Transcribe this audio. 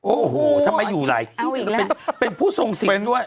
โอ้โหทำไมอยู่ไหร่เป็นผู้ทรงสินด้วย